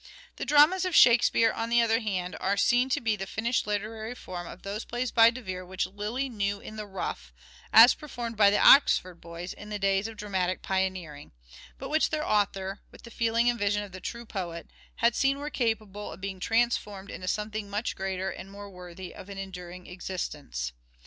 The dramas of " Shakespeare," on the other hand, are seen to be the finished literary form of those plays by De Vere which Lyly knew in the rough, as performed by the Oxford Boys in the days of dramatic pioneering, but which their author, with the feeling and vision of the true poet, had seen were capable of being transformed into something much greater and more worthy of an enduring existence.